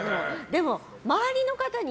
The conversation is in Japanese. でも、周りの方に。